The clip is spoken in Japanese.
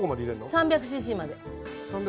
３００ｃｃまで。